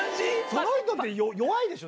その人って弱いでしょ？